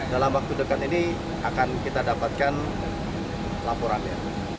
dalam waktu dekat ini akan kita dapatkan laporannya